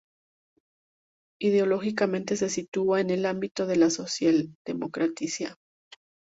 Ideológicamente se sitúa en el ámbito de la socialdemocracia.